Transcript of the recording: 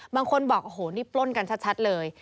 บางคนบอกโอ้โหนี่ปล้นกันชัดเลย